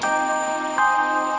dalam hubungan wartawan